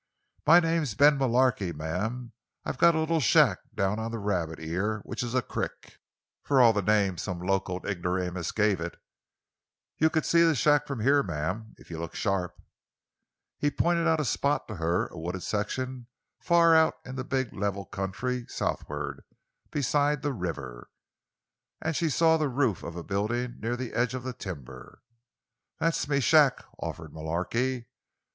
"Me name's Ben Mullarky, ma'am. I've got a little shack down on the Rabbit Ear—which is a crick, for all the name some locoed ignoramus give it. You c'ud see the shack from here, ma'am—if ye'd look sharp." He pointed out a spot to her—a wooded section far out in the big level country southward, beside the river—and she saw the roof of a building near the edge of the timber. "That's me shack," offered Mullarky.